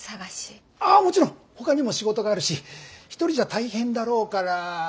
ああもちろんほかにも仕事があるし一人じゃ大変だろうから。